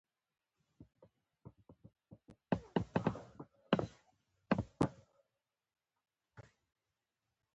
باید د ونې سر ته پورته شي پوه شوې!.